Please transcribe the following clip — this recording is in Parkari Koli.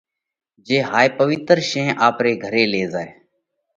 جي هائي پوَيِتر شين آپري گھري لي زائہ۔